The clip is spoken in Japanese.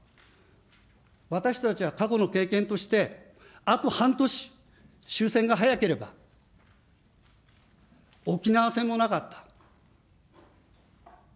私たちは過去の経験として、あと半年、終戦が早ければ、沖縄戦もなかった。